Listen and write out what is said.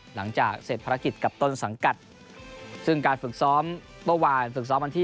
หลังจากเสร็จภารกิจกับต้นสังกัดซึ่งการฝึกซ้อมเมื่อวานฝึกซ้อมวันที่